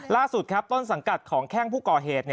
ล่าสุดครับต้นสังกัดของแข้งผู้ก่อเหตุ